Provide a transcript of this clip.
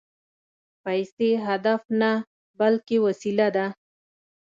پیسې هدف نه، بلکې وسیله ده